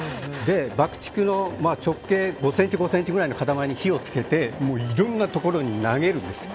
爆竹の直径５ｃｍ、５ｃｍぐらいの塊に火を付けていろんなところに投げるんです。